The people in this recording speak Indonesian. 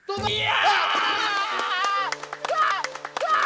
oh dapet boy